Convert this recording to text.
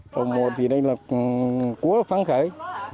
đầu mùa thì đây là cua phấn khởi